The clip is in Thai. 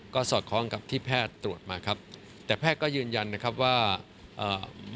ก็สอดคล้องกับที่แพทย์ตรวจมาครับแต่แพทย์ก็ยืนยันนะครับว่าอ่า